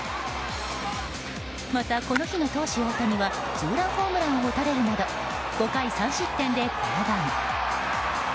またこの日の投手・大谷はツーランホームランを打たれるなど５回３失点で降板。